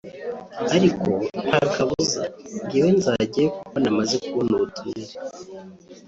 Ati “Nta kabuza njyewe nzajyayo kuko namaze kubona ubutumire